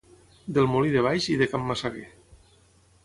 del Molí de Baix i de can Massaguer